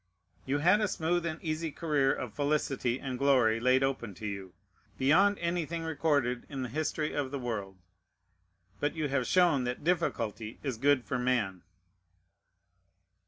You had a smooth and easy career of felicity and glory laid open to you, beyond anything recorded in the history of the world; but you have shown that difficulty is good for man.